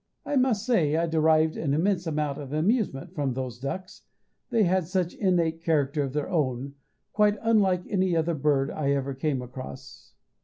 I must say I derived an immense amount of amusement from those ducks; they had such innate character of their own, quite unlike any other bird I ever came across.